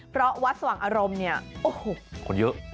เพราะวัดสว่างอารมณ์เนี่ยโอ้โหคนเยอะ